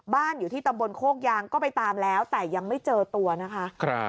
อยู่ที่ตำบลโคกยางก็ไปตามแล้วแต่ยังไม่เจอตัวนะคะ